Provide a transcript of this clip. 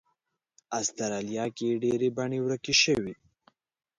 استرالیا کې یې ډېرې بڼې ورکې شوې.